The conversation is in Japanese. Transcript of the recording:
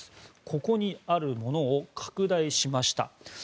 ここにあるものを拡大しました。